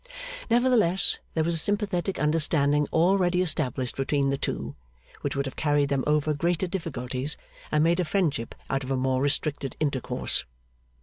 Nevertheless, there was a sympathetic understanding already established between the two, which would have carried them over greater difficulties, and made a friendship out of a more restricted intercourse.